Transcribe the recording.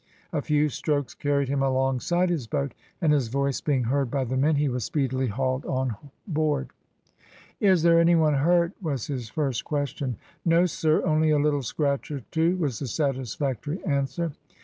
A few strokes carried him alongside his boat, and, his voice being heard by his men, he was speedily hauled on hoard. "Is any one hurt?" was his first question. "No, sir, only a little scratch or two," was the satisfactory answer.